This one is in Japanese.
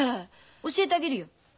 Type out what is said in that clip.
教えてあげるよ。